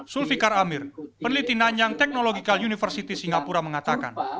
sulfikar amir peliti nanyang technological university singapura mengatakan